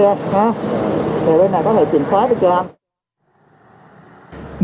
rồi đây này có thể chỉnh khóa được cho anh